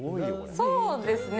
そうですね。